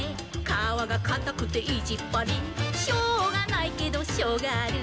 「かわがかたくていじっぱり」「しょうがないけどショウガある」